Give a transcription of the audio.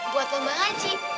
buat lembang haji